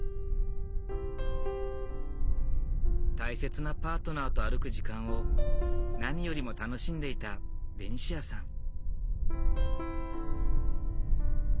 大切なパートナーと歩く時間を何よりも楽しんでいたベニシアさん。